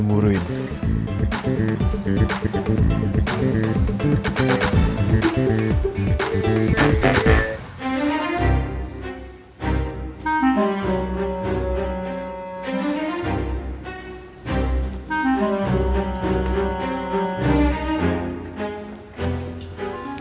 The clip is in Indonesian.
eh lu jaringin rupa aja